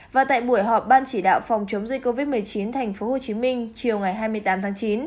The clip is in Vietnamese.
và tại buổi họp ban chỉ đạo phòng chống dịch covid một mươi chín tp hcm chiều ngày hai mươi tám tháng chín